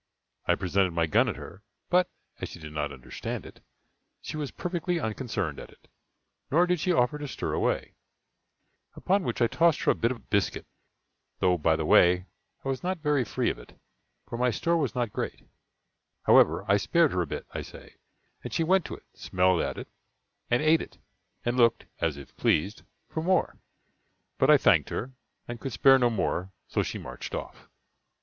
I presented my gun at her, but, as she did not understand it, she was perfectly unconcerned at it, nor did she offer to stir away; upon which I tossed her a bit of biscuit, though, by the way, I was not very free of it, for my store was not great: however, I spared her a bit, I say, and she went to it, smelled at it, and ate it, and looked (as if pleased) for more; but I thanked her, and could spare no more, so she marched off.